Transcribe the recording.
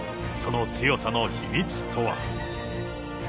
その強さの秘密とは。